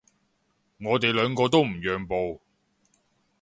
我哋兩個都唔讓步